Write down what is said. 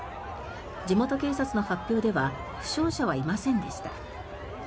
地元警察の発表では負傷者はいませんでした。